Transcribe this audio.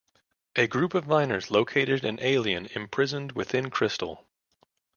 A group of miners locate an alien imprisoned within crystal.